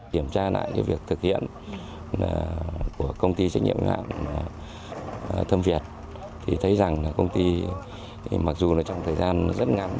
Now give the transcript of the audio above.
kiểm tra lại việc thực hiện của công ty trách nhiệm nạn thâm việt thì thấy rằng công ty mặc dù trong thời gian rất ngắn